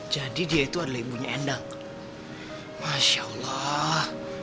jadi dia itu adalah ibunya endang masya allah